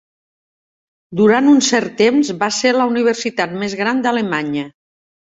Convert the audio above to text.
Durant un cert temps va ser la universitat més gran d'Alemanya.